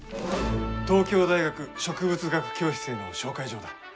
東京大学植物学教室への紹介状だ。